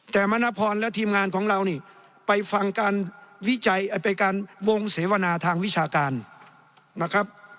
แต่มณพรและทีมงานของเรานี่ไปฟังการวิจัยไปการวงเสวนาทางวิชาการนะครับ